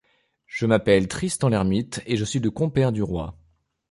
Je m’appelle Tristan l’Hermite, et je suis le compère du roi.